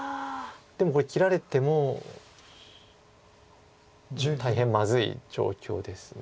でもこれ切られても大変まずい状況です。